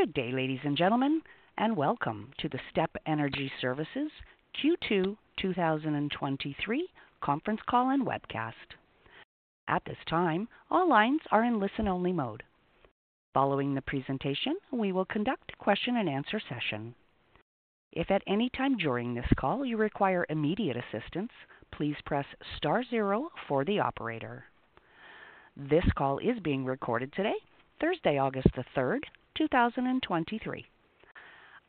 Good day, ladies and gentlemen, welcome to the STEP Energy Services Q2 2023 conference call and webcast. At this time, all lines are in listen-only mode. Following the presentation, we will conduct a question and answer session. If at any time during this call you require immediate assistance, please press star zero for the operator. This call is being recorded today, Thursday, August 3rd, 2023.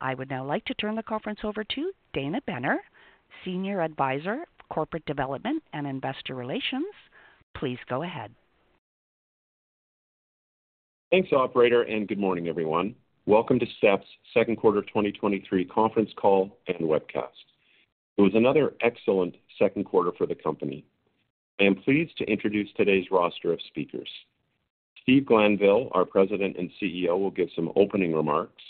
I would now like to turn the conference over to Dana Benner, Senior Advisor, Corporate Development and Investor Relations. Please go ahead. Thanks, operator. Good morning, everyone. Welcome to STEP's second quarter 2023 conference call and webcast. It was another excellent second quarter for the company. I am pleased to introduce today's roster of speakers. Steve Glanville, our President and CEO, will give some opening remarks.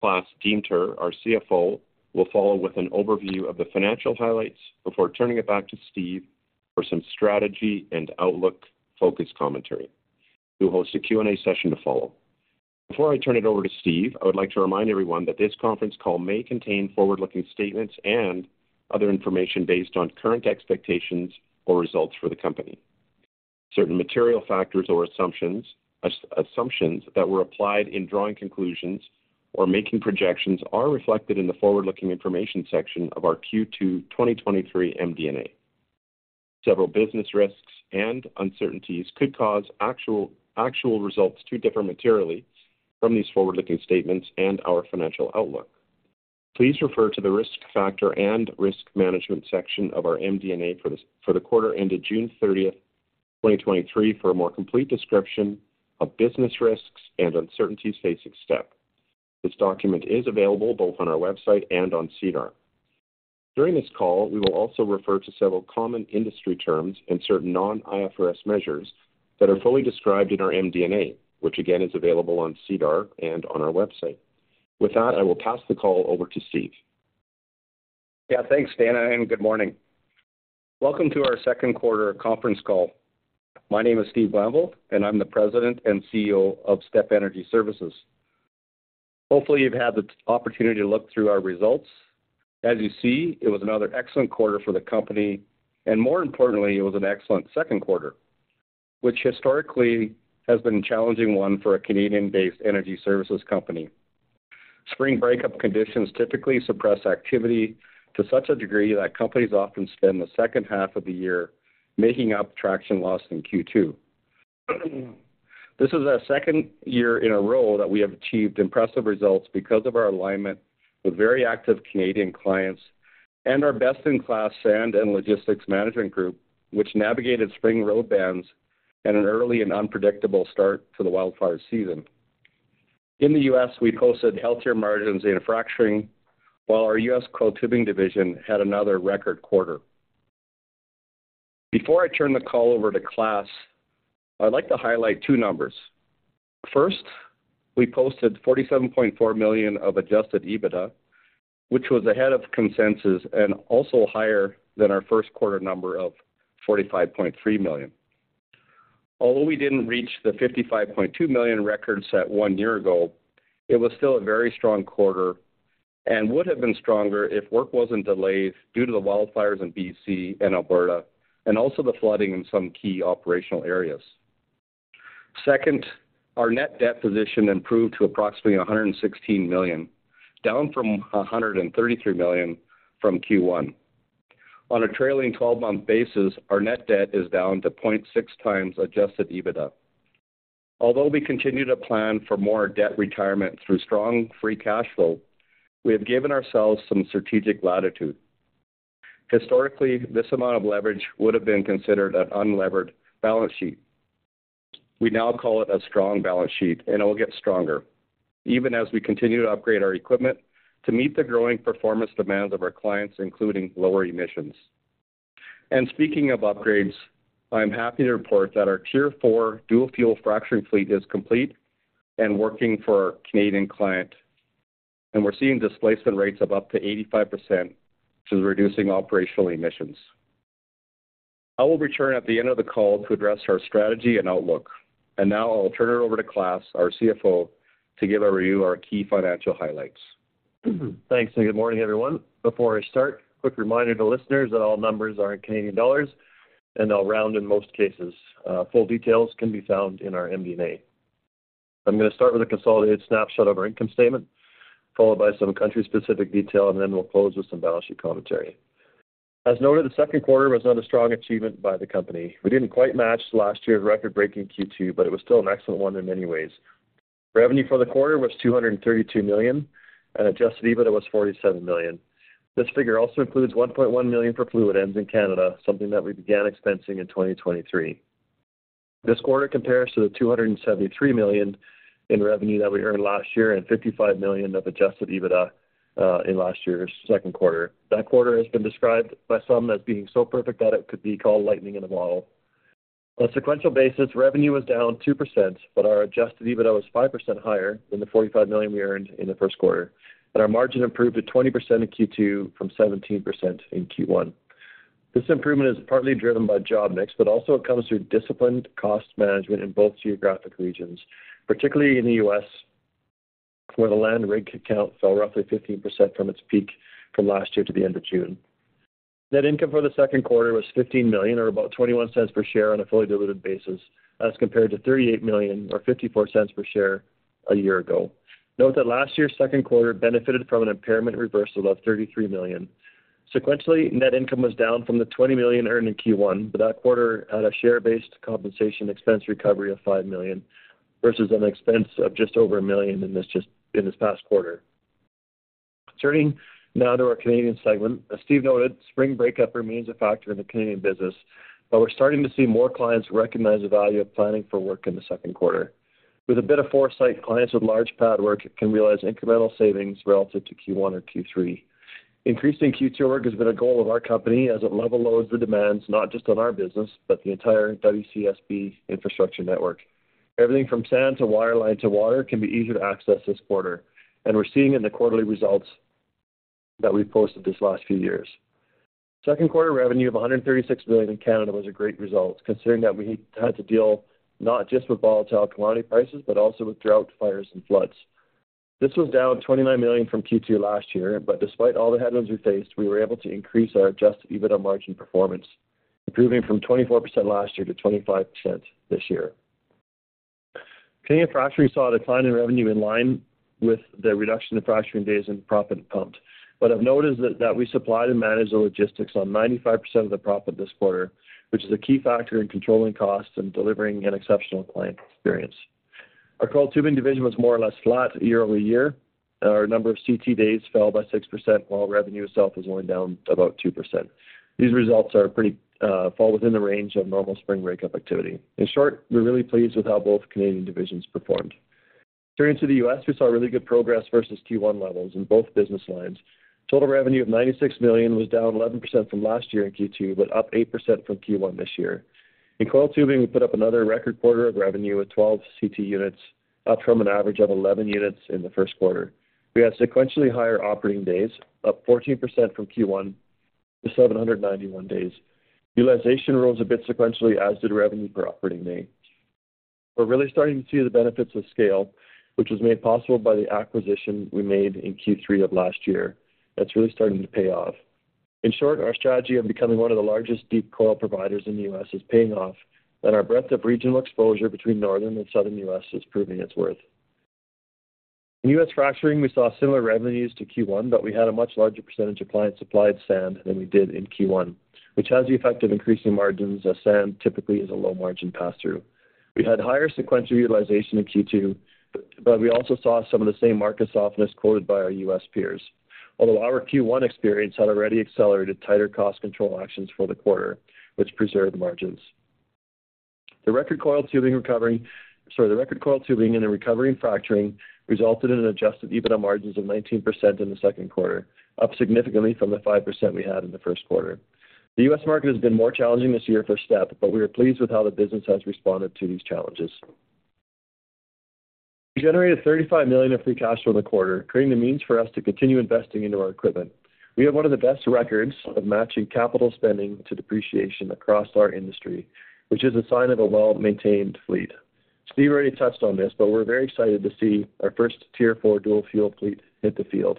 Klaas Deemter, our CFO, will follow with an overview of the financial highlights before turning it back to Steve for some strategy and outlook-focused commentary. We'll host a Q&A session to follow. Before I turn it over to Steve, I would like to remind everyone that this conference call may contain forward-looking statements and other information based on current expectations or results for the company. Certain material factors or assumptions, assumptions that were applied in drawing conclusions or making projections are reflected in the Forward-looking Information section of our Q2 2023 MD&A. Several business risks and uncertainties could cause actual results to differ materially from these forward-looking statements and our financial outlook. Please refer to the Risk Factor and Risk Management section of our MD&A for the quarter ended June 30th, 2023, for a more complete description of business risks and uncertainties facing STEP. This document is available both on our website and on SEDAR. During this call, we will also refer to several common industry terms and certain non-IFRS measures that are fully described in our MD&A, which again, is available on SEDAR and on our website. With that, I will pass the call over to Steve. Yeah, thanks, Dana. Good morning. Welcome to our second quarter conference call. My name is Steve Glanville, I'm the President and CEO of STEP Energy Services. Hopefully, you've had the opportunity to look through our results. As you see, it was another excellent quarter for the company, more importantly, it was an excellent second quarter, which historically has been a challenging one for a Canadian-based energy services company. Spring breakup conditions typically suppress activity to such a degree that companies often spend the second half of the year making up traction lost in Q2. This is our second year in a row that we have achieved impressive results because of our alignment with very active Canadian clients and our best-in-class sand and logistics management group, which navigated spring road bans and an early and unpredictable start to the wildfire season. In the U.S., we posted healthier margins in fracturing, while our U.S. coiled tubing division had another record quarter. Before I turn the call over to Klaas, I'd like to highlight two numbers. First, we posted 47.4 million of adjusted EBITDA, which was ahead of consensus and also higher than our first quarter number of 45.3 million. Although we didn't reach the 55.2 million record set one year ago, it was still a very strong quarter and would have been stronger if work wasn't delayed due to the wildfires in BC and Alberta, and also the flooding in some key operational areas. Second, our net debt position improved to approximately 116 million, down from 133 million from Q1. On a trailing 12-month basis, our net debt is down to 0.6x adjusted EBITDA. Although we continue to plan for more debt retirement through strong free cash flow, we have given ourselves some strategic latitude. Historically, this amount of leverage would have been considered an unlevered balance sheet. It will get stronger, even as we continue to upgrade our equipment to meet the growing performance demands of our clients, including lower emissions. Speaking of upgrades, I'm happy to report that our Tier 4 dual-fuel fracturing fleet is complete and working for our Canadian client, and we're seeing displacement rates of up to 85%, which is reducing operational emissions. I will return at the end of the call to address our strategy and outlook. Now I'll turn it over to Klaas, our CFO, to give a review of our key financial highlights. Thanks, good morning, everyone. Before I start, a quick reminder to listeners that all numbers are in Canadian dollars and are round in most cases. Full details can be found in our MD&A. I'm going to start with a consolidated snapshot of our income statement, followed by some country-specific detail, then we'll close with some balance sheet commentary. As noted, the second quarter was another strong achievement by the company. We didn't quite match last year's record-breaking Q2, it was still an excellent one in many ways. Revenue for the quarter was 232 million, adjusted EBITDA was 47 million. This figure also includes 1.1 million for fluid ends in Canada, something that we began expensing in 2023. This quarter compares to the $273 million in revenue that we earned last year and $55 million of adjusted EBITDA in last year's second quarter. That quarter has been described by some as being so perfect that it could be called lightning in a bottle. On a sequential basis, revenue was down 2%, but our adjusted EBITDA was 5% higher than the $45 million we earned in the first quarter, and our margin improved to 20% in Q2 from 17% in Q1. This improvement is partly driven by job mix, but also it comes through disciplined cost management in both geographic regions, particularly in the U.S., where the land rig count fell roughly 15% from its peak from last year to the end of June. Net income for the second quarter was $15 million, or about $0.21 per share on a fully diluted basis, as compared to $38 million or $0.54 per share a year ago. Note that last year's second quarter benefited from an impairment reversal of $33 million. Sequentially, net income was down from the $20 million earned in Q1. That quarter had a share-based compensation expense recovery of $5 million, versus an expense of just over $1 million in this past quarter. Turning now to our Canadian segment. As Steve noted, spring breakup remains a factor in the Canadian business. We're starting to see more clients recognize the value of planning for work in the second quarter. With a bit of foresight, clients with large pad work can realize incremental savings relative to Q1 or Q3. Increasing Q2 work has been a goal of our company as it level loads the demands, not just on our business, but the entire WCSB infrastructure network. Everything from sand to wireline to water can be easier to access this quarter, we're seeing in the quarterly results that we've posted these last few years. Second quarter revenue of 136 million in Canada was a great result, considering that we had to deal not just with volatile commodity prices, but also with drought, fires, and floods. This was down 29 million from Q2 last year, despite all the headwinds we faced, we were able to increase our adjusted EBITDA margin performance, improving from 24% last year to 25% this year. Canadian fracturing saw a decline in revenue in line with the reduction in fracturing days and proppant pumped. I've noticed that, that we supplied and managed the logistics on 95% of the proppant this quarter, which is a key factor in controlling costs and delivering an exceptional client experience. Our coiled tubing division was more or less flat year-over-year. Our number of CT days fell by 6%, while revenue itself is only down about 2%. These results are pretty, fall within the range of normal spring breakup activity. In short, we're really pleased with how both Canadian divisions performed. Turning to the U.S., we saw really good progress versus Q1 levels in both business lines. Total revenue of 96 million was down 11% from last year in Q2, but up 8% from Q1 this year. In coiled tubing, we put up another record quarter of revenue at 12 CT units, up from an average of 11 units in the first quarter. We had sequentially higher operating days, up 14% from Q1 to 791 days. Utilization rose a bit sequentially, as did revenue per operating day. We're really starting to see the benefits of scale, which was made possible by the acquisition we made in Q3 of last year. That's really starting to pay off. In short, our strategy of becoming one of the largest deep coil providers in the U.S. is paying off, and our breadth of regional exposure between Northern and Southern U.S. is proving its worth. In U.S. fracturing, we saw similar revenues to Q1. We had a much larger percentage of client-supplied sand than we did in Q1, which has the effect of increasing margins, as sand typically is a low-margin pass-through. We had higher sequential utilization in Q2. We also saw some of the same market softness quoted by our U.S. peers. Although our Q1 experience had already accelerated tighter cost control actions for the quarter, which preserved margins. The record coiled tubing and the recovery in fracturing resulted in adjusted EBITDA margins of 19% in the second quarter, up significantly from the 5% we had in the first quarter. The U.S. market has been more challenging this year for STEP. We are pleased with how the business has responded to these challenges. We generated 35 million of free cash flow in the quarter, creating the means for us to continue investing into our equipment. We have one of the best records of matching capital spending to depreciation across our industry, which is a sign of a well-maintained fleet. Steve already touched on this, but we're very excited to see our first Tier 4 dual fuel fleet hit the field.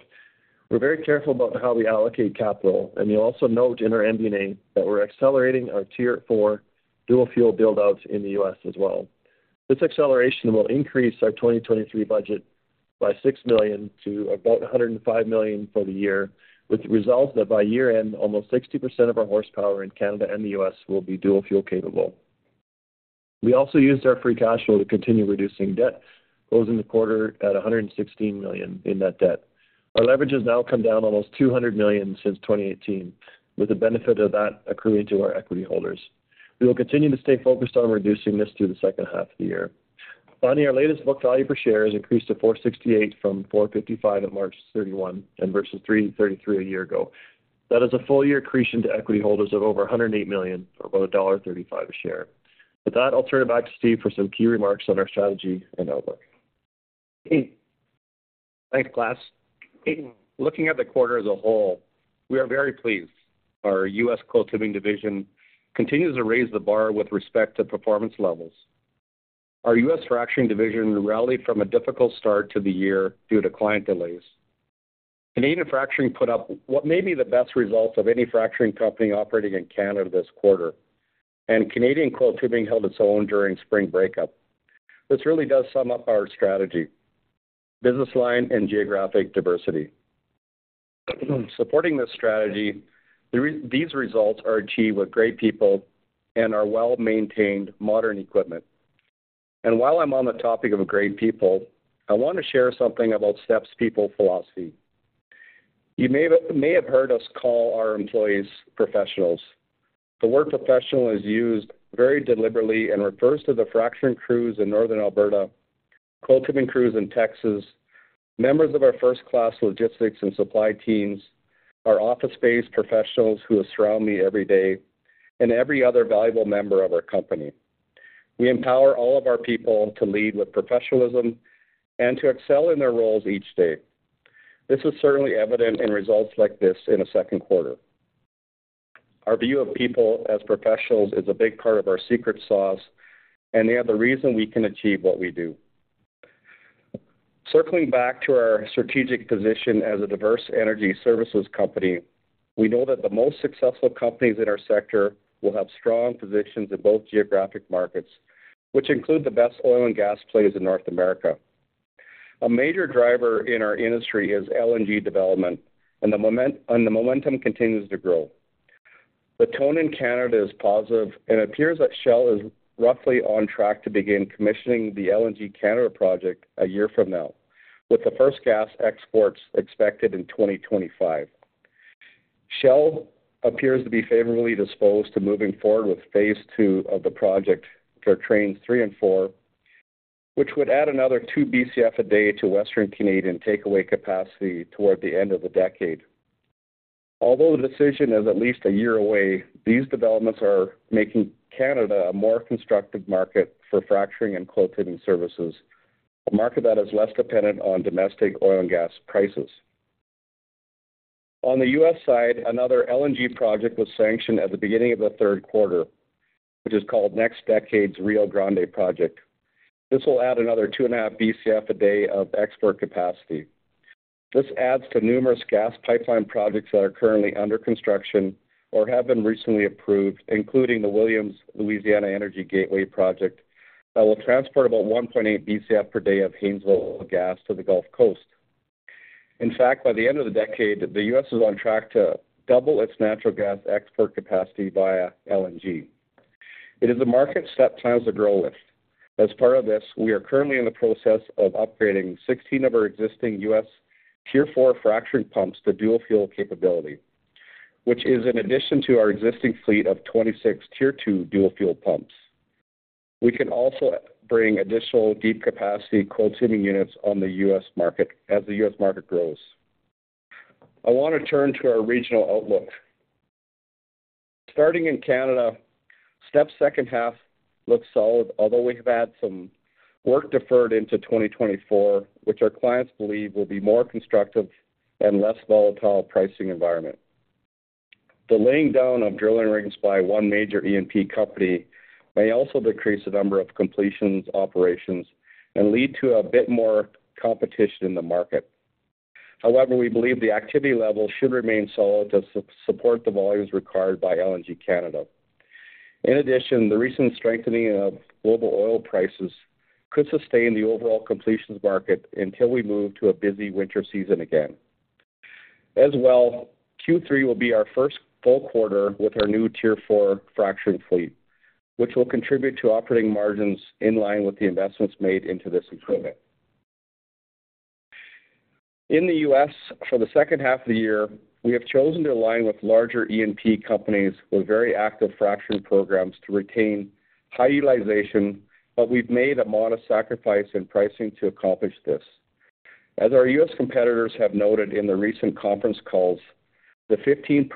We're very careful about how we allocate capital, and you'll also note in our MD&A that we're accelerating our Tier 4 dual fuel build-outs in the U.S. as well. This acceleration will increase our 2023 budget by 6 million to about 105 million for the year, with the result that by year-end, almost 60% of our horsepower in Canada and the U.S. will be dual-fuel capable. We also used our free cash flow to continue reducing debt, closing the quarter at 116 million in net debt. Our leverage has now come down almost 200 million since 2018, with the benefit of that accruing to our equity holders. We will continue to stay focused on reducing this through the second half of the year. Finally, our latest book value per share has increased to 4.68 from 4.55 at March 31, and versus 3.33 a year ago. That is a full year accretion to equity holders of over 108 million, or about dollar 1.35 a share. With that, I'll turn it back to Steve for some key remarks on our strategy and outlook. Thanks, Klaas. Looking at the quarter as a whole, we are very pleased. Our U.S. coiled tubing division continues to raise the bar with respect to performance levels. Our U.S. fracturing division rallied from a difficult start to the year due to client delays. Canadian fracturing put up what may be the best results of any fracturing company operating in Canada this quarter. Canadian coiled tubing held its own during spring breakup. This really does sum up our strategy: business line and geographic diversity. Supporting this strategy, these results are achieved with great people and our well-maintained, modern equipment. While I'm on the topic of great people, I want to share something about STEP's people philosophy. You may have heard us call our employees professionals. The word professional is used very deliberately and refers to the fracturing crews in northern Alberta, coiled tubing crews in Texas, members of our first-class logistics and supply teams, our office-based professionals who surround me every day, and every other valuable member of our company. We empower all of our people to lead with professionalism and to excel in their roles each day. This is certainly evident in results like this in the second quarter. Our view of people as professionals is a big part of our secret sauce, and they are the reason we can achieve what we do. Circling back to our strategic position as a diverse energy services company, we know that the most successful companies in our sector will have strong positions in both geographic markets, which include the best oil and gas plays in North America. A major driver in our industry is LNG development, and the momentum continues to grow. The tone in Canada is positive and appears that Shell is roughly on track to begin commissioning the LNG Canada project a year from now, with the first gas exports expected in 2025. Shell appears to be favorably disposed to moving forward with Phase 2 of the project for Trains 3 and 4, which would add another 2 BCF/d to Western Canadian takeaway capacity toward the end of the decade. Although the decision is at least a year away, these developments are making Canada a more constructive market for fracturing and coiled tubing services, a market that is less dependent on domestic oil and gas prices. On the U.S. side, another LNG project was sanctioned at the beginning of the third quarter, which is called NextDecade's Rio Grande project. This will add another 2.5 BCF/d of export capacity. This adds to numerous gas pipeline projects that are currently under construction or have been recently approved, including the Williams Louisiana Energy Gateway project, that will transport about 1.8 BCF/d of Haynesville gas to the Gulf Coast. In fact, by the end of the decade, the U.S. is on track to double its natural gas export capacity via LNG. It is a market that STEP plans to grow with. As part of this, we are currently in the process of upgrading 16 of our existing U.S. Tier 4 fracturing pumps to dual fuel capability, which is in addition to our existing fleet of 26 Tier 2 dual fuel pumps. We can also bring additional deep-capacity coiled tubing units on the U.S. market as the U.S. market grows. I want to turn to our regional outlook. Starting in Canada, STEP's second half looks solid, although we have had some work deferred into 2024, which our clients believe will be a more constructive and less volatile pricing environment. The laying down of drilling rigs by one major E&P company may also decrease the number of completions, operations, and lead to a bit more competition in the market. However, we believe the activity level should remain solid to support the volumes required by LNG Canada. In addition, the recent strengthening of global oil prices could sustain the overall completions market until we move to a busy winter season again. As well, Q3 will be our first full quarter with our new Tier 4 fracturing fleet, which will contribute to operating margins in line with the investments made into this equipment. In the U.S., for the second half of the year, we have chosen to align with larger E&P companies with very active fracturing programs to retain high utilization. We've made a modest sacrifice in pricing to accomplish this. As our U.S. competitors have noted in the recent conference calls, the 15%+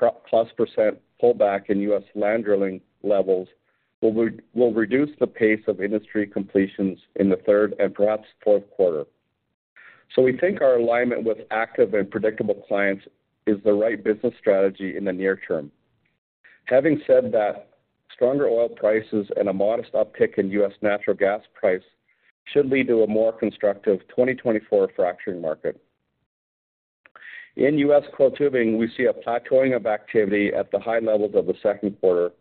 pullback in U.S. land drilling levels will reduce the pace of industry completions in the third and perhaps fourth quarter. We think our alignment with active and predictable clients is the right business strategy in the near term. Having said that, stronger oil prices and a modest uptick in U.S. natural gas price should lead to a more constructive 2024 fracturing market. In U.S. coiled tubing, we see a plateauing of activity at the high levels of the second quarter,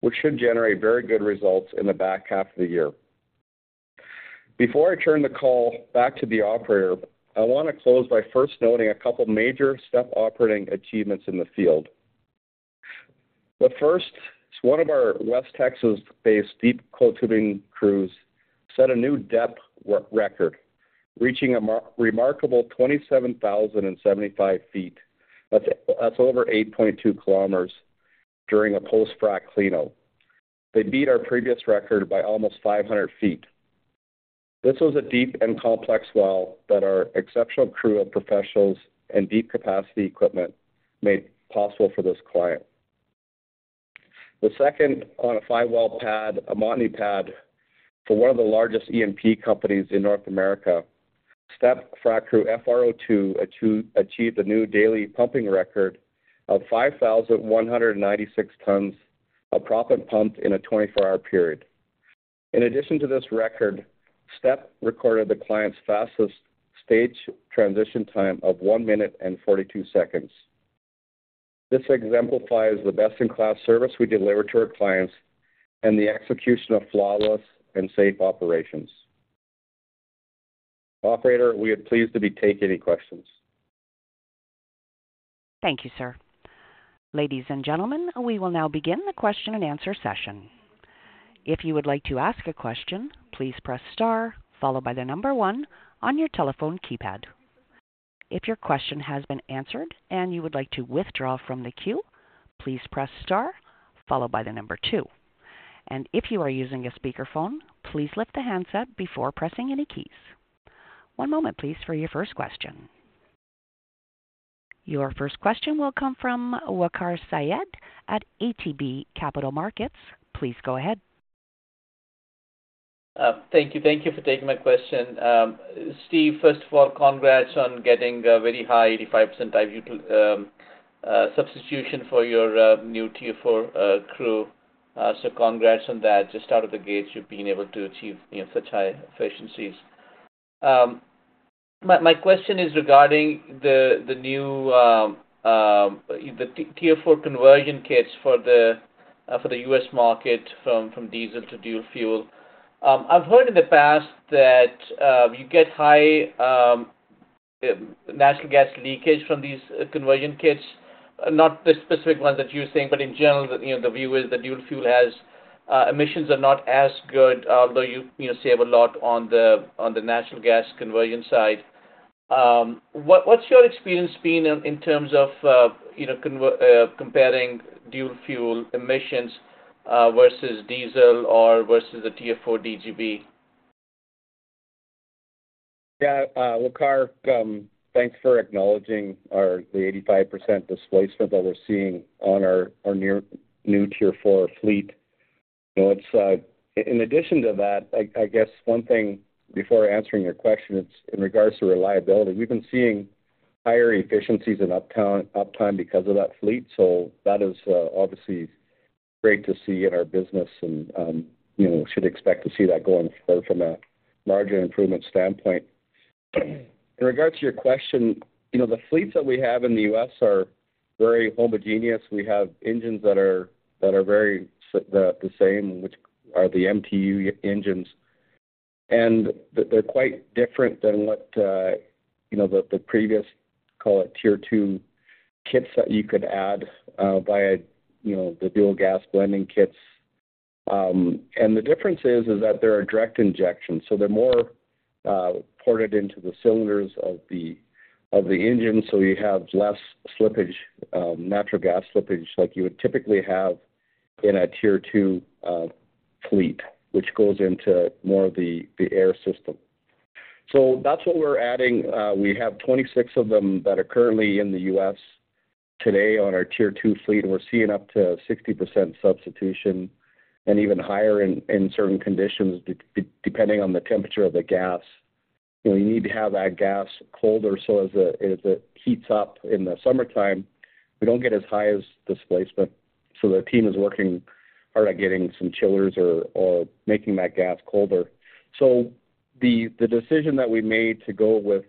which should generate very good results in the back half of the year. Before I turn the call back to the operator, I want to close by first noting a couple major STEP operating achievements in the field. The first is one of our West Texas-based deep coiled tubing crews set a new depth record, reaching a remarkable 27,075 ft. That's over 8.2 km during a post-frack cleanup. They beat our previous record by almost 500 ft. This was a deep and complex well that our exceptional crew of professionals and deep capacity equipment made possible for this client. The second, on a five-well pad, a Montney pad, for one of the largest E&P companies in North America, STEP frac crew FR02 achieved a new daily pumping record of 5,196 tons of proppant pumped in a 24-hour period. In addition to this record, STEP recorded the client's fastest stage transition time of 1 minute and 42 seconds. This exemplifies the best-in-class service we deliver to our clients and the execution of flawless and safe operations. Operator, we are pleased to be taking any questions. Thank you, sir. Ladies and gentlemen, we will now begin the question and answer session. If you would like to ask a question, please press star followed by one on your telephone keypad. If your question has been answered and you would like to withdraw from the queue, please press star followed by two. If you are using a speakerphone, please lift the handset before pressing any keys. One moment, please, for your first question. Your first question will come from Waqar Syed at ATB Capital Markets. Please go ahead. Thank you. Thank you for taking my question. Steve, first of all, congrats on getting a very high 85% diesel substitution for your new Tier 4 crew. So congrats on that. Just out of the gate, you've been able to achieve, you know, such high efficiencies. My question is regarding the new Tier 4 conversion kits for the U.S. market, from diesel to dual fuel. I've heard in the past that you get high natural gas leakage from these conversion kits. Not the specific ones that you're saying, but in general, the, you know, the view is that dual fuel has emissions are not as good, although you, you know, save a lot on the natural gas conversion side. What, what's your experience been in, in terms of, you know, comparing dual fuel emissions, versus diesel or versus a Tier 4 DGB? Yeah, Waqar, thanks for acknowledging our the 85% displacement that we're seeing on our, our near-new Tier 4 fleet. You know, it's, in addition to that, I, I guess one thing before answering your question, it's in regards to reliability. We've been seeing higher efficiencies and uptime because of that fleet, so that is obviously great to see in our business. You know, we should expect to see that going forward from a larger improvement standpoint. In regards to your question, you know, the fleets that we have in the U.S. are very homogeneous. We have engines that are, that are very the same, which are the MTU engines. They're, they're quite different than what, you know, the previous, call it, Tier 2 kits that you could add via, you know, the dual gas blending kits. The difference is, is that they're a direct injection, so they're more ported into the cylinders of the engine, so you have less slippage, natural gas slippage, like you would typically have in a Tier 2 fleet, which goes into more of the air system. That's what we're adding. We have 26 of them that are currently in the U.S. today on our Tier 2 fleet, and we're seeing up to 60% substitution and even higher in certain conditions, depending on the temperature of the gas. You know, you need to have that gas colder, so as it, as it heats up in the summertime, we don't get as high as displacement. The team is working hard at getting some chillers or, or making that gas colder. The, the decision that we made to go with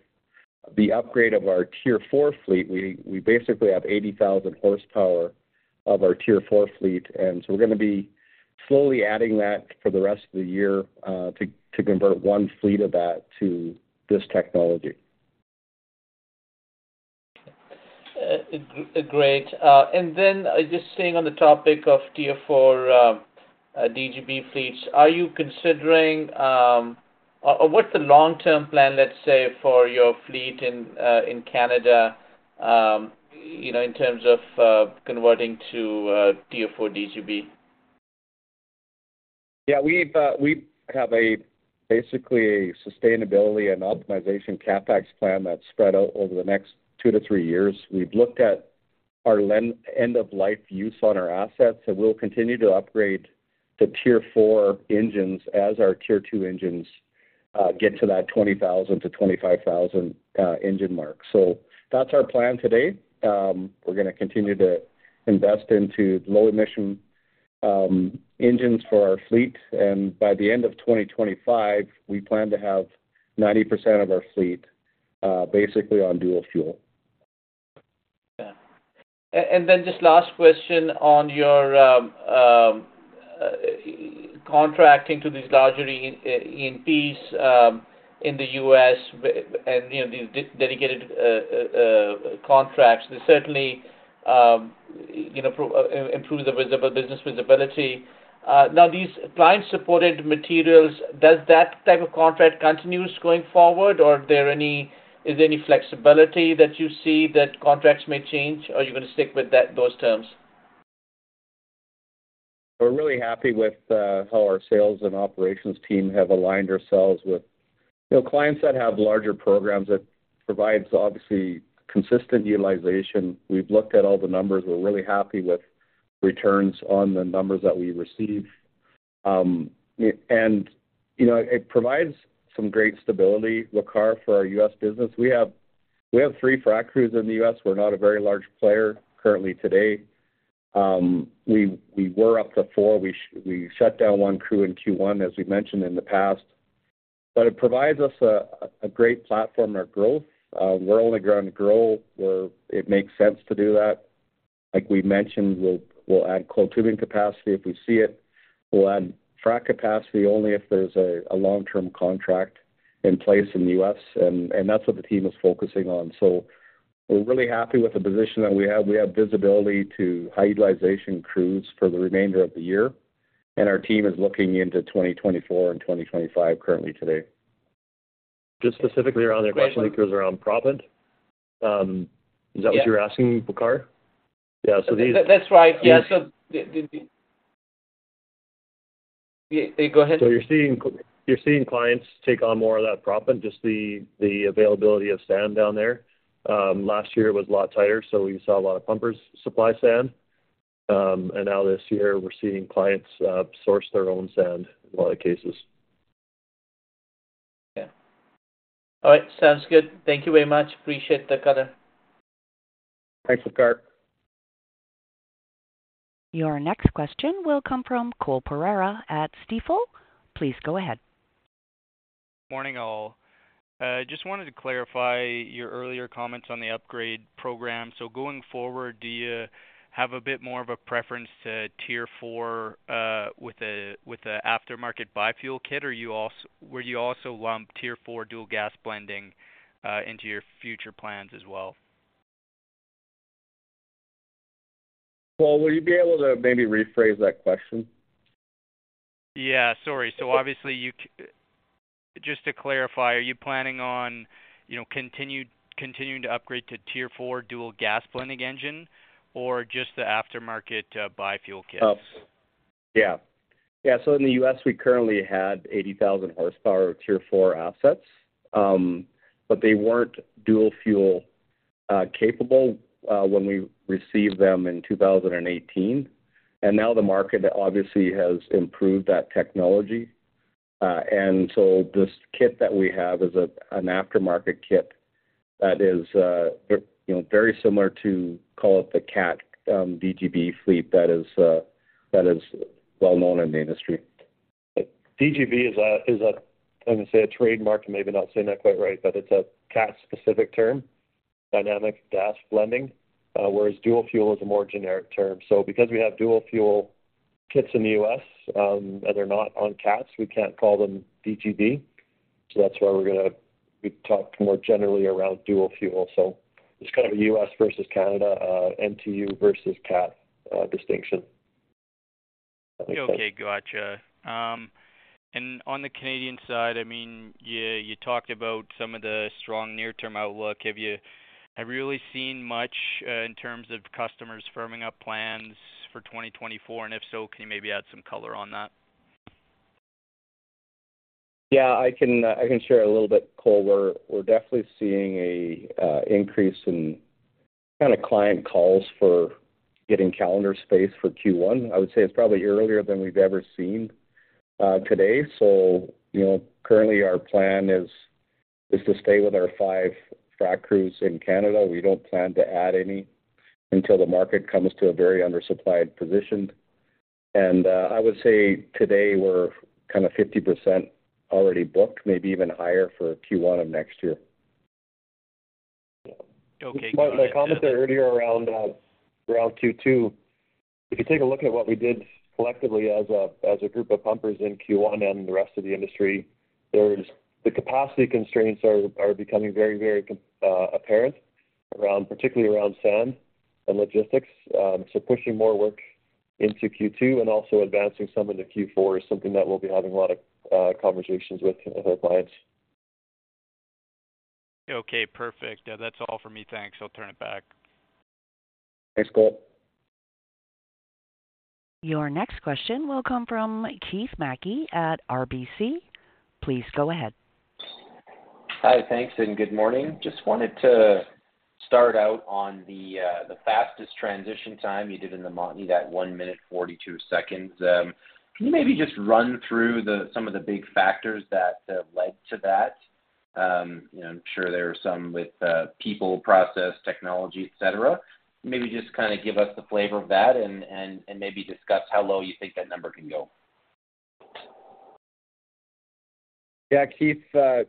the upgrade of our Tier 4 fleet, we, we basically have 80,000 horsepower of our Tier 4 fleet, and so we're gonna be slowly adding that for the rest of the year to convert one fleet of that to this technology. Great. Then just staying on the topic of Tier 4 DGB fleets, are you considering, or, or what's the long-term plan, let's say, for your fleet in Canada, you know, in terms of, converting to, Tier 4 DGB? Yeah, we've, we have a basically a sustainability and optimization CapEx plan that's spread out over the next two to three years. We've looked at our end of life use on our assets, and we'll continue to upgrade to Tier 4 engines as our Tier 2 engines get to that 20,000-25,000 engine mark. That's our plan today. We're gonna continue to invest into low emission engines for our fleet, and by the end of 2025, we plan to have 90% of our fleet basically on dual fuel. Yeah. Then just last question on your contracting to these larger E&Ps in the U.S. and, you know, these dedicated contracts. They certainly, you know, improve the business visibility. Now, these client-supported materials, does that type of contract continues going forward, or is there any flexibility that you see that contracts may change, or you're gonna stick with that, those terms? We're really happy with how our sales and operations team have aligned ourselves with, you know, clients that have larger programs, that provides, obviously, consistent utilization. We've looked at all the numbers. We're really happy with returns on the numbers that we received. You know, it provides some great stability, Waqar, for our U.S. business. We have, we have three frac crews in the U.S. We're not a very large player currently today. We, we were up to four. We shut down one crew in Q1, as we mentioned in the past. It provides us a, a great platform for growth. We're only going to grow where it makes sense to do that. Like we mentioned, we'll, we'll add coiled tubing capacity if we see it. We'll add frac capacity only if there's a long-term contract in place in the U.S., and that's what the team is focusing on. We're really happy with the position that we have. We have visibility to high utilization crews for the remainder of the year. Our team is looking into 2024 and 2025 currently today. Just specifically around the question, because around proppant, is that what you're asking, Waqar? Yeah, these. That's right. Yeah, go ahead. You're seeing, you're seeing clients take on more of that proppant, just the, the availability of sand down there. Last year it was a lot tighter, so we saw a lot of pumpers supply sand and now this year, we're seeing clients source their own sand in a lot of cases. Yeah. All right, sounds good. Thank you very much. Appreciate the color. Thanks, Waqar. Your next question will come from Cole Pereira at Stifel. Please go ahead. Morning, all. Just wanted to clarify your earlier comments on the upgrade program. Going forward, do you have a bit more of a preference to Tier 4 with a, with a aftermarket bi-fuel kit? Would you also lump Tier 4 dual gas blending into your future plans as well? Well, will you be able to maybe rephrase that question? Yeah, sorry. Obviously, you, just to clarify, are you planning on, you know, continued, continuing to upgrade to Tier 4 dual gas blending engine or just the aftermarket bi-fuel kits? Yeah. Yeah, in the U.S., we currently had 80,000 horsepower of Tier 4 assets. They weren't dual fuel capable when we received them in 2018, and now the market obviously has improved that technology. This kit that we have is an aftermarket kit that is, you know, very similar to, call it the Cat DGB fleet. That is well known in the industry. DGB is a, is a, I'm going to say a trademark. Maybe not saying that quite right, but it's a Cat-specific term, Dynamic Gas Blending, whereas dual fuel is a more generic term. Because we have dual fuel kits in the U.S., and they're not on Cats, we can't call them DGB. That's why we talk more generally around dual fuel. It's kind of a U.S. versus Canada, MTU versus Cat, distinction. Okay, gotcha. On the Canadian side, I mean, you, you talked about some of the strong near-term outlook. Have you, have you really seen much in terms of customers firming up plans for 2024? If so, can you maybe add some color on that? Yeah, I can share a little bit, Cole. We're definitely seeing a increase in kind of client calls for getting calendar space for Q1. I would say it's probably earlier than we've ever seen today. You know, currently our plan is to stay with our five frac crews in Canada. We don't plan to add any until the market comes to a very undersupplied position. I would say today we're kind of 50% already booked, maybe even higher for Q1 of next year. Okay. My comment earlier around Q2, if you take a look at what we did collectively as a group of pumpers in Q1 and the rest of the industry, the capacity constraints are becoming very, very apparent around, particularly around sand and logistics. Pushing more work into Q2 and also advancing some into Q4 is something that we'll be having a lot of conversations with, with our clients. Okay, perfect. Yeah, that's all for me. Thanks. I'll turn it back. Thanks, Cole. Your next question will come from Keith Mackey at RBC. Please go ahead. Hi, thanks, and good morning. Just wanted to start out on the fastest transition time you did in the Montney, that 1 minute 42 seconds. Can you maybe just run through the, some of the big factors that, led to that? You know, I'm sure there are some with, people, process, technology, et cetera. Maybe just kind of give us the flavor of that and, and, and maybe discuss how low you think that number can go. Yeah, Keith, I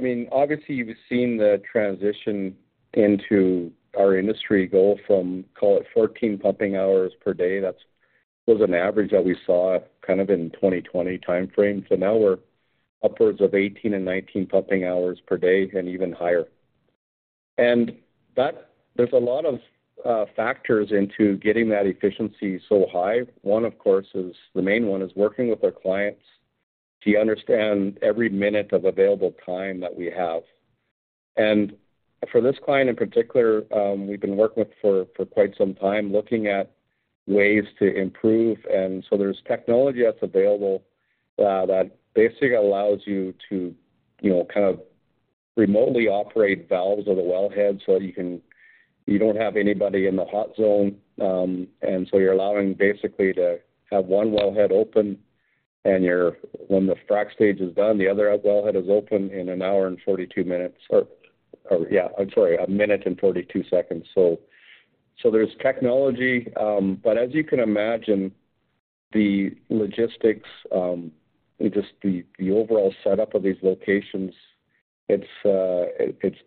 mean, obviously, you've seen the transition into our industry go from, call it 14 pumping hours per day. That's, was an average that we saw kind of in 2020 timeframe. Now we're upwards of 18 and 19 pumping hours per day and even higher. There's a lot of factors into getting that efficiency so high. One, of course, is, the main one is working with our clients to understand every minute of available time that we have. For this client in particular, we've been working with for, for quite some time, looking at ways to improve. There's technology that's available that basically allows you to, you know, kind of remotely operate valves of the wellhead so you don't have anybody in the hot zone. So you're allowing basically to have one wellhead open, and when the frac stage is done, the other wellhead is open in 1 hour and 42 minutes or, yeah, I'm sorry, 1 minute and 42 seconds. There's technology, but as you can imagine, the logistics, just the overall setup of these locations, it's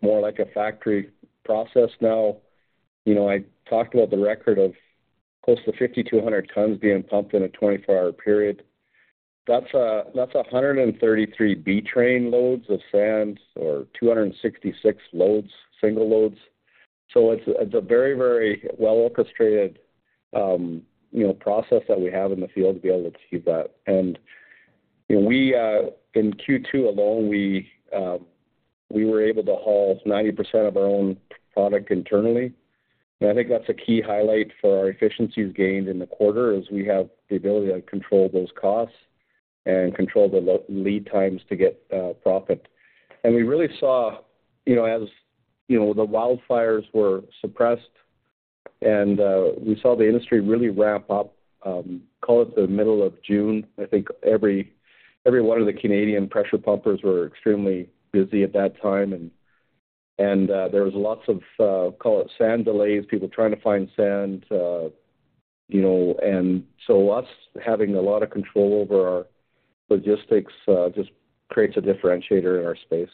more like a factory process now. You know, I talked about the record of close to 5,200 tons being pumped in a 24-hour period. That's 133 B-train loads of sands or 266 loads, single loads. It's a very, very well-orchestrated, you know, process that we have in the field to be able to achieve that. You know, we in Q2 alone, we were able to haul 90% of our own product internally. I think that's a key highlight for our efficiencies gained in the quarter, is we have the ability to control those costs, and control the lead times to get proppant. We really saw, you know, as, you know, the wildfires were suppressed, and we saw the industry really ramp up, call it the middle of June. I think every, every one of the Canadian pressure pumpers were extremely busy at that time, and, and there was lots of, call it sand delays, people trying to find sand, you know. Us having a lot of control over our logistics just creates a differentiator in our space.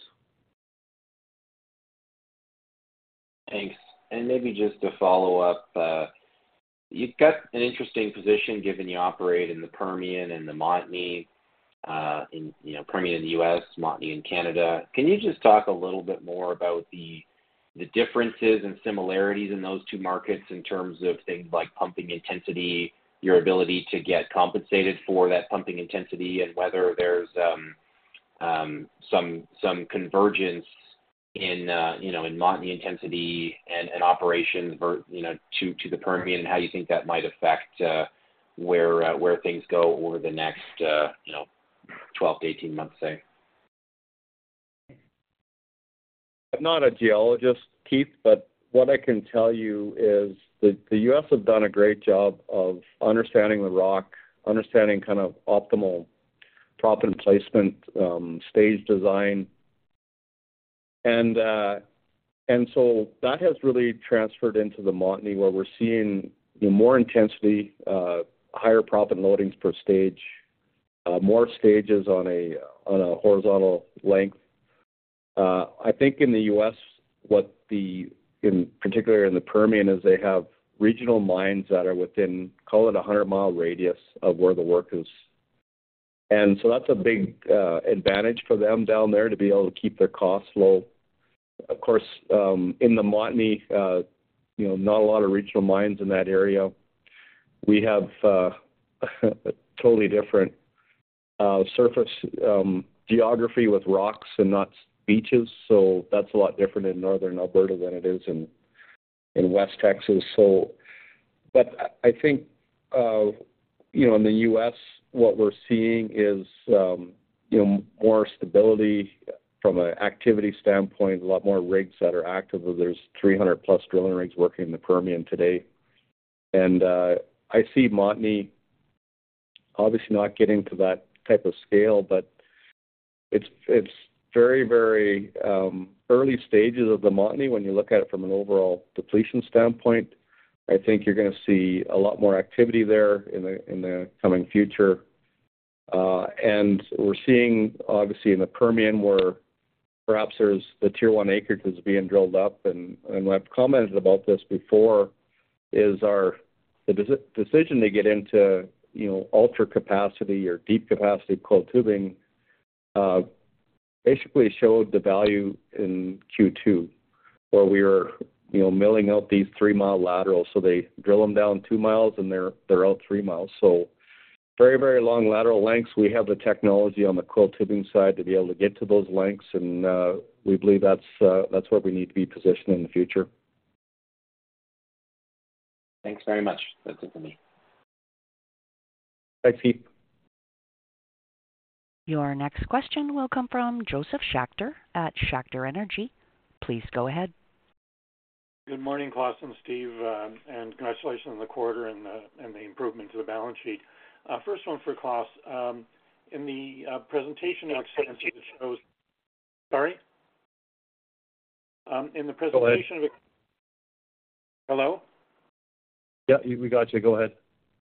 Thanks. Maybe just to follow up, you've got an interesting position given you operate in the Permian and the Montney, in, you know, Permian in the U.S., Montney in Canada. Can you just talk a little bit more about the, the differences and similarities in those two markets in terms of things like pumping intensity, your ability to get compensated for that pumping intensity, and whether there's, some, some convergence in, you know, in Montney intensity and, and operations, you know, to the Permian, and how you think that might affect, where, where things go over the next, you know, 12 to 18 months, say? I'm not a geologist, Keith, what I can tell you is that the U.S. have done a great job of understanding the rock, understanding kind of optimal proppant placement, stage design. That has really transferred into the Montney, where we're seeing, you know, more intensity, higher proppant loadings per stage, more stages on a, on a horizontal length. I think in the U.S., in particular in the Permian, is they have regional mines that are within, call it, a 100-mi radius of where the work is. That's a big advantage for them down there to be able to keep their costs low. Of course, in the Montney, you know, not a lot of regional mines in that area. We have a totally different surface geography with rocks and not beaches, so that's a lot different in northern Alberta than it is in, in West Texas. But I, I think, you know, in the U.S., what we're seeing is, you know, more stability from an activity standpoint, a lot more rigs that are active. There's 300+ drilling rigs working in the Permian today. I see Montney obviously not getting to that type of scale, but it's, it's very, very early stages of the Montney when you look at it from an overall depletion standpoint. I think you're gonna see a lot more activity there in the, in the coming future. We're seeing, obviously, in the Permian, where perhaps there's the Tier 1 acreage is being drilled up. I've commented about this before, is our decision to get into, you know, ultra capacity or deep-capacity coiled tubing basically showed the value in Q2, where we were, you know, milling out these 3-mi laterals, so they drill them down 2 mi, and they're out 3 mi. Very, very long lateral lengths. We have the technology on the coiled tubing side to be able to get to those lengths, and we believe that's where we need to be positioned in the future. Thanks very much. That's it for me. Thanks, Keith. Your next question will come from Josef Schachter at Schachter Energy. Please go ahead. Good morning, Klaas and Steve, and congratulations on the quarter and the, and the improvement to the balance sheet. First one for Klaas. In the, presentation on shows, sorry? In the presentation of, hello? Yeah, we got you. Go ahead.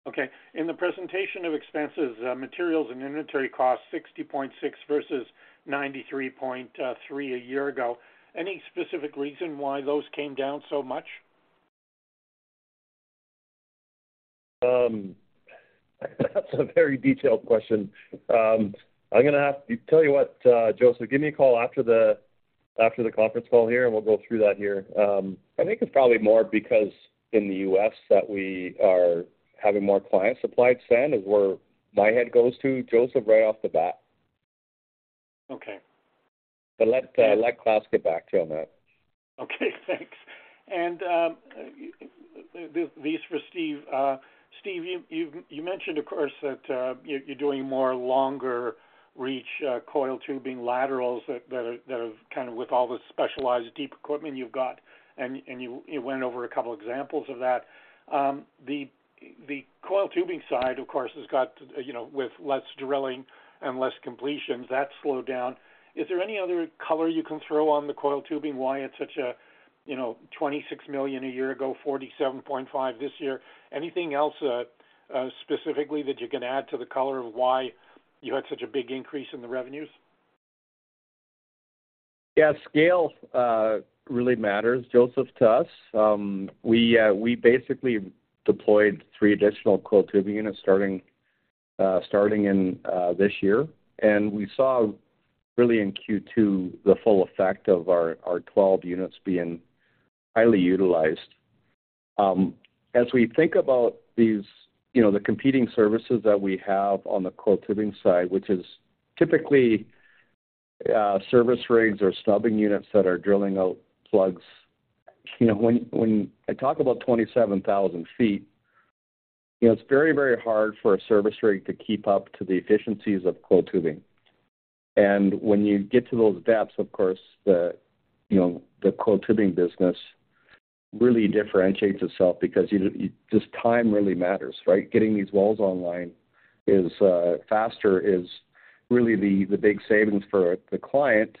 Okay. In the presentation of expenses, materials and inventory costs, 60.6 versus 93.3 a year ago. Any specific reason why those came down so much? That's a very detailed question. I'm gonna have to, tell you what, Josef, give me a call after the, after the conference call here, and we'll go through that here. I think it's probably more because in the U.S. that we are having more client-supplied sand, is where my head goes to, Josef, right off the bat. Okay. Let, let Klaas get back to you on that. Okay, thanks. This, this is for Steve. Steve, you, you, you mentioned, of course, that, you're, you're doing more longer-reach, coil tubing laterals that, that are, that are kind of with all the specialized deep equipment you've got, and, and you, you went over a couple examples of that. The, the coil tubing side, of course, has got, you know, with less drilling and less completions, that slowed down. Is there any other color you can throw on the coil tubing, why it's such a, you know, 26 million a year ago, 47.5 million this year? Anything else, specifically, that you can add to the color of why you had such a big increase in the revenues? Yeah, scale really matters, Josef, to us. We basically deployed three additional coiled tubing units starting this year. We saw really in Q2, the full effect of our 12 units being highly utilized. As we think about these, you know, the competing services that we have on the coiled tubing side, which is typically service rigs or snubbing units that are drilling out plugs. You know, when I talk about 27,000 ft, you know, it's very, very hard for a service rig to keep up to the efficiencies of coiled tubing. When you get to those depths, of course, the, you know, the coiled tubing business really differentiates itself because just time really matters, right? Getting these wells online is faster, is really the big savings for the client.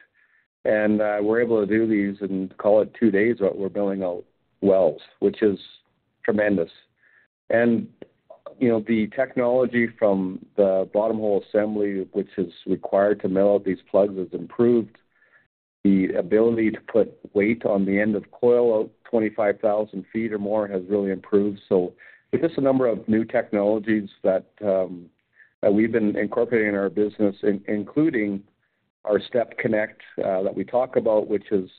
We're able to do these in, call it two days, but we're building out wells, which is tremendous. You know, the technology from the bottom hole assembly, which is required to mill out these plugs, has improved. The ability to put weight on the end of coil out 25,000 ft or more has really improved. With this, a number of new technologies that we've been incorporating in our business, including our STEP-ConneCT, that we talk about, which is,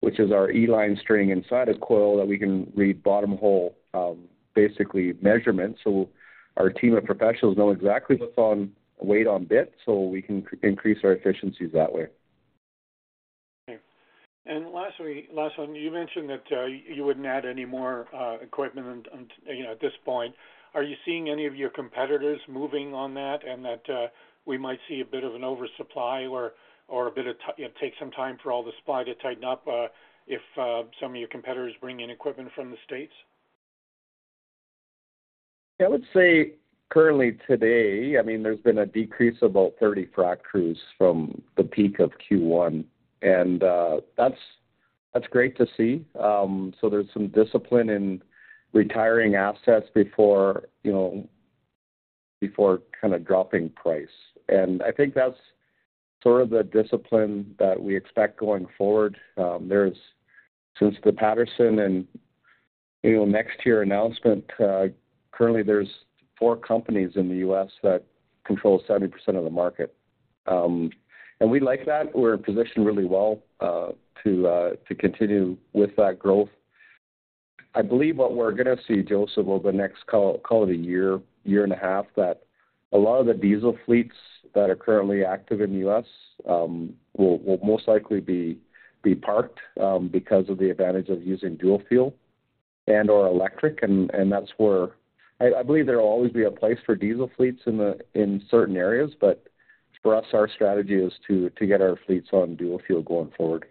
which is our e-line string inside a coil that we can read bottom hole, basically measurements. Our team of professionals know exactly what's on weight on bit, so we can increase our efficiencies that way. Okay. Lastly, last one, you mentioned that you wouldn't add any more equipment and, and, you know, at this point, are you seeing any of your competitors moving on that and that we might see a bit of an oversupply or, or a bit of, you know, take some time for all the supply to tighten up if some of your competitors bring in equipment from the States? I would say currently, today, I mean, there's been a decrease of about 30 frac crews from the peak of Q1, and that's, that's great to see. So there's some discipline in retiring assets before, you know, before kind of dropping price. I think that's sort of the discipline that we expect going forward. Since the Patterson and, you know, NexTier announcement, currently there's four companies in the U.S. that control 70% of the market. And we like that. We're positioned really well to continue with that growth. I believe what we're gonna see, Josef, over the next, call it a year, 1.5 years, that a lot of the diesel fleets that are currently active in the U.S., will most likely be parked, because of the advantage of using dual fuel and/or electric. That's where, I believe there will always be a place for diesel fleets in certain areas, but for us, our strategy is to get our fleets on dual fuel going forward.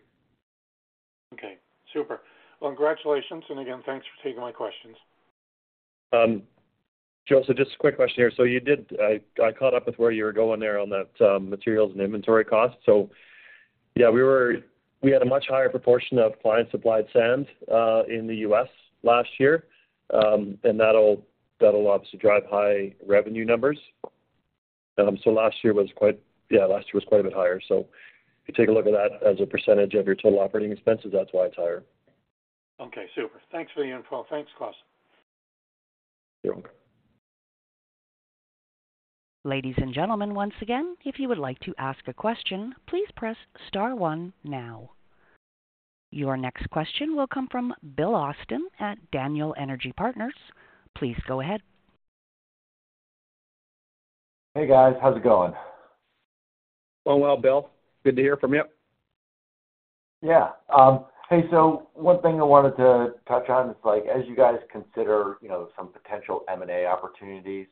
Okay, super. Well, congratulations. Again, thanks for taking my questions. Josef, just a quick question here. You did, I, I caught up with where you were going there on that, materials and inventory costs. Yeah, we were, we had a much higher proportion of client-supplied sand in the U.S. last year. That'll, that'll obviously drive high revenue numbers. Last year was quite, yeah, last year was quite a bit higher. If you take a look at that as a percentage of your total operating expenses, that's why it's higher. Okay, super. Thanks for the info. Thanks, Klaas. You're welcome. Ladies and gentlemen, once again, if you would like to ask a question, please press star one now. Your next question will come from Bill Austin at Daniel Energy Partners. Please go ahead. Hey, guys. How's it going? Going well, Bill. Good to hear from you. Yeah. Hey, one thing I wanted to touch on is, like, as you guys consider, you know, some potential M&A opportunities.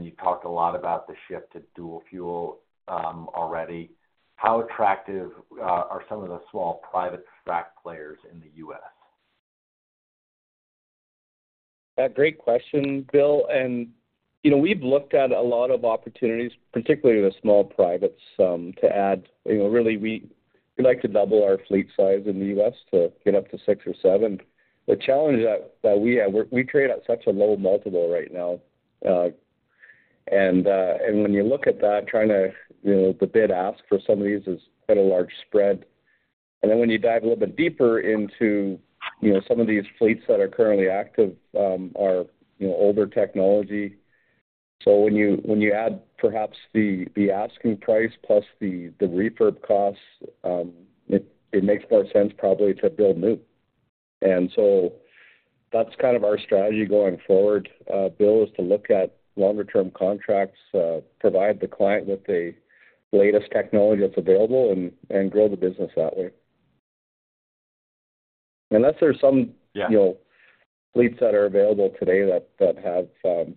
You talked a lot about the shift to dual fuel already. How attractive are some of the small private frac players in the U.S.? Yeah, great question, Bill. You know, we've looked at a lot of opportunities, particularly the small privates, to add. You know, really, we, we'd like to double our fleet size in the U.S. to get up to six or seven. The challenge that, that we have, we, we trade at such a low multiple right now, when you look at that, trying to, you know, the bid ask for some of these is quite a large spread. When you dive a little bit deeper into, you know, some of these fleets that are currently active, are, you know, older technology. When you, when you add perhaps the, the asking price plus the, the refurb costs, it, it makes more sense probably to build new. So that's kind of our strategy going forward, Bill, is to look at longer term contracts, provide the client with the latest technology that's available and grow the business that way. Unless there are some. Yeah. You know, fleets that are available today that have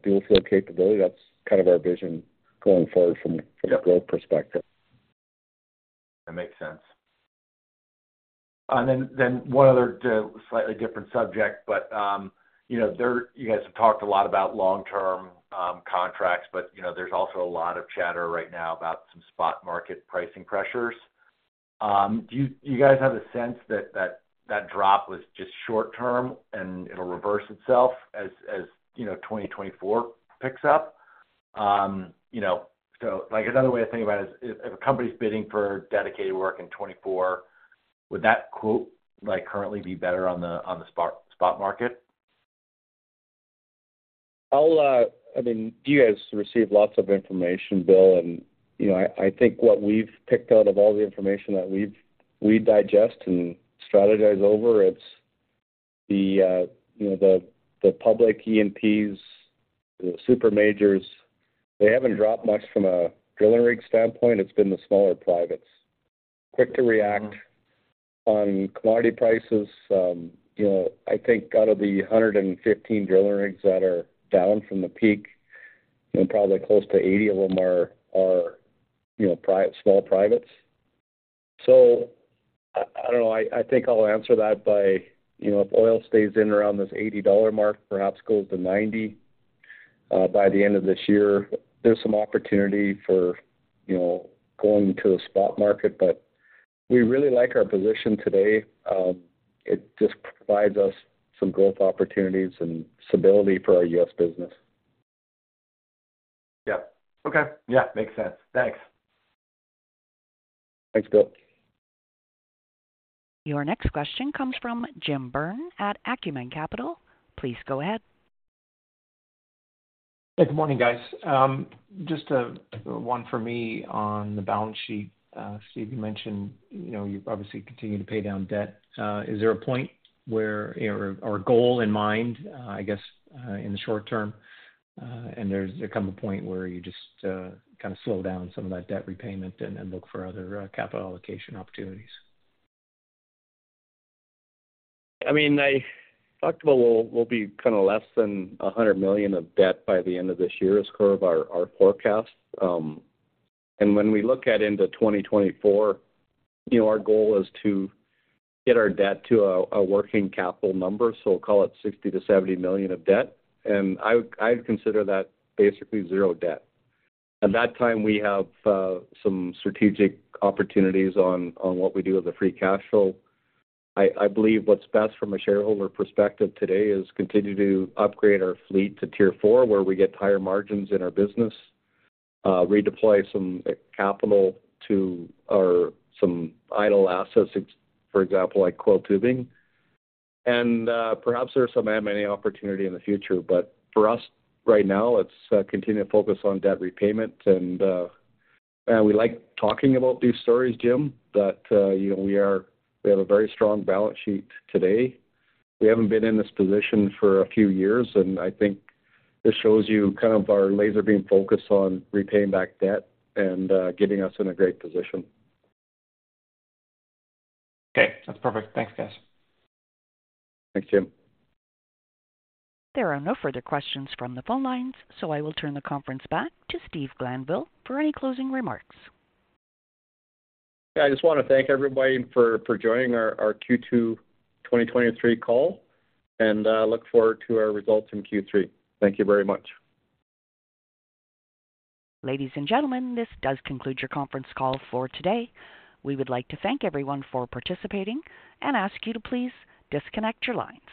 dual fuel capability, that's kind of our vision going forward. Yep. From a growth perspective. That makes sense. Then, then one other, slightly different subject, but, you know, there, you guys have talked a lot about long-term contracts, but, you know, there's also a lot of chatter right now about some spot market pricing pressures. Do you, do you guys have a sense that, that, that drop was just short term, and it'll reverse itself as, as you know, 2024 picks up? You know, like another way to think about it is if, if a company's bidding for dedicated work in 2024, would that quote, like, currently be better on the, on the spot, spot market? I'll, I mean, you guys receive lots of information, Bill, and, you know, I, I think what we've picked out of all the information that we've, we digest and strategize over, it's the, you know, the, the public E&Ps. The super majors, they haven't dropped much from a driller rig standpoint. It's been the smaller privates. Quick to react on commodity prices. You know, I think out of the 115 driller rigs that are down from the peak, you know, probably close to 80 of them are, are, you know, private, small privates. I, I don't know, I, I think I'll answer that by, you know, if oil stays in around this $80 mark, perhaps goes to $90, by the end of this year, there's some opportunity for, you know, going to the spot market. We really like our position today. It just provides us some growth opportunities and stability for our U.S. business. Yeah. Okay. Yeah, makes sense. Thanks. Thanks, Bill. Your next question comes from Jim Byrne at Acumen Capital. Please go ahead. Hey, good morning, guys. Just one for me on the balance sheet. Steve, you mentioned, you know, you obviously continue to pay down debt. Is there a point where or, or a goal in mind, I guess, in the short term, and there's, there come a point where you just kind of slow down some of that debt repayment and, and look for other capital allocation opportunities? I mean, I talked about we'll, we'll be kind of less than $100 million of debt by the end of this year as per our, our forecast. When we look at into 2024, you know, our goal is to get our debt to a, a working capital number, so we'll call it $60 million-$70 million of debt, and I would, I'd consider that basically zero debt. At that time, we have some strategic opportunities on, on what we do with the free cash flow. I, I believe what's best from a shareholder perspective today is continue to upgrade our fleet to Tier 4, where we get higher margins in our business, redeploy some capital to our some idle assets, for example, like coiled tubing. Perhaps there are some M&A opportunity in the future, for us, right now, it's continue to focus on debt repayment. We like talking about these stories, Jim, you know, we have a very strong balance sheet today. We haven't been in this position for a few years, I think this shows you kind of our laser beam focus on repaying back debt and getting us in a great position. Okay, that's perfect. Thanks, guys. Thanks, Jim. There are no further questions from the phone lines. I will turn the conference back to Steve Glanville for any closing remarks. I just wanna thank everybody for, for joining our, our Q2 2023 call, and look forward to our results in Q3. Thank you very much. Ladies and gentlemen, this does conclude your conference call for today. We would like to thank everyone for participating and ask you to please disconnect your lines.